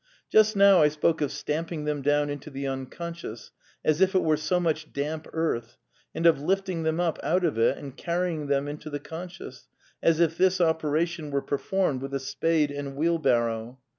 Just now I spoke of stamping them down into the Unconscious, as if it were so much damp earth, and of lifting them up out of it and carrying them into the Conscious, as if this operation were performed with a spade and wheel barrow.